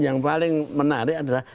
yang paling menarik adalah